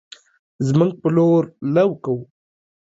زمونږ په لور لو کوو